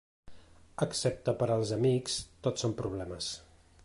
Excepte per als amics, tot són problemes.